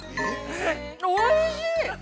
おいしい！